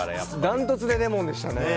ダントツでレモンでしたね。